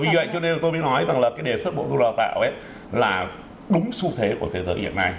vâng như vậy cho nên tôi mới nói rằng là cái đề xuất bộ du lò tạo là đúng xu thế của thế giới hiện nay